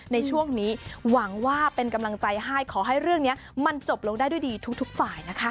ในช่วงนี้หวังว่าเป็นกำลังใจให้ขอให้เรื่องนี้มันจบลงได้ด้วยดีทุกฝ่ายนะคะ